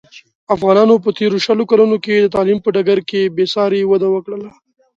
افغانانو په تېرو شلو کلونوکې د تعلیم په ډګر کې بې ساري وده وکړله.